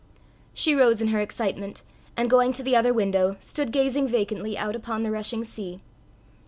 She rose in her excitement, and going to the other window, stood gazing vacantly out upon the rushing sea.